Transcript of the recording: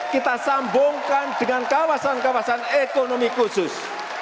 kita sambungkan dengan kawasan kawasan ekonomi khusus